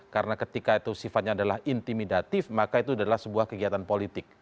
karena ketika itu sifatnya adalah intimidatif maka itu adalah sebuah kegiatan politik